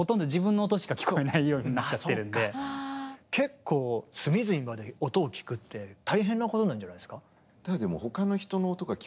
さっきのだと結構隅々まで音を聴くって大変なことなんじゃないですか？